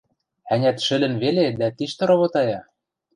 Ӓнят, шӹлӹн веле дӓ тиштӹ ровотая?